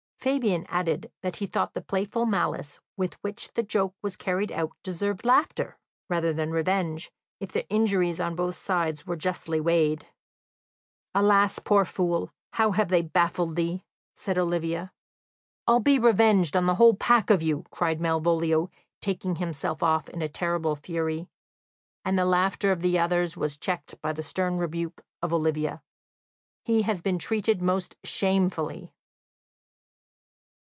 Fabian added that he thought the playful malice with which the joke was carried out deserved laughter rather than revenge, if the injuries on both sides were justly weighed. "Alas, poor fool, how have they baffled thee!" said Olivia. "I'll be revenged on the whole pack of you," cried Malvolio, taking himself off in a terrible fury. And the laughter of the others was checked by the stern rebuke of Olivia: "He has been treated most shamefully."